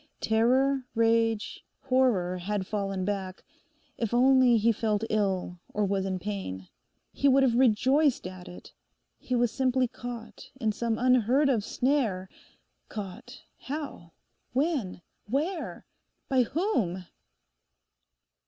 Terror, rage, horror had fallen back. If only he felt ill, or was in pain: he would have rejoiced at it. He was simply caught in some unheard of snare—caught, how? when? where? by whom?